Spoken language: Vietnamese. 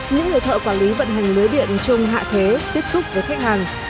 những người thợ quản lý vận hành lối điện chung hạ thế tiếp xúc với thách hàng